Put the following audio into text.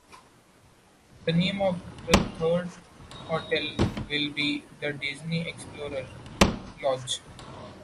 The name of the third hotel will be the Disney Explorers Lodge.